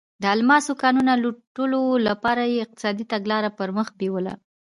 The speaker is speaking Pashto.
د الماسو کانونو لوټلو لپاره یې اقتصادي تګلاره پر مخ بیوله.